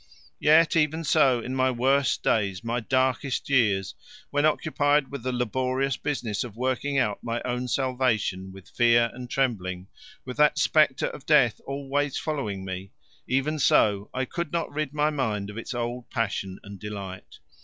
Yet even so, in my worst days, my darkest years, when occupied with the laborious business of working out my own salvation with fear and trembling, with that spectre of death always following me, even so I could not rid my mind of its old passion and delight.